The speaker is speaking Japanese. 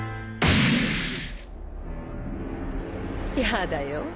やだよ